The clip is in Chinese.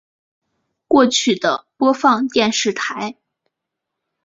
过去的播放电视台